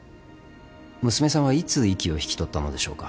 娘さんはいつ息を引き取ったのでしょうか。